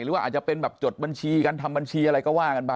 หรือว่าอาจจะเป็นแบบจดบัญชีกันทำบัญชีอะไรก็ว่ากันไป